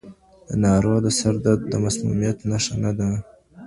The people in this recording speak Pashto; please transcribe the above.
د ناروغ د سر درد د مسمومیت نښه نه ده.